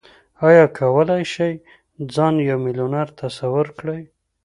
ايا کولای شئ ځان يو ميليونر تصور کړئ؟